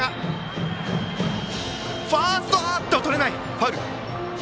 ファウル。